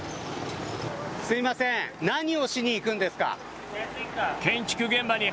すいません何をしに行くんですか。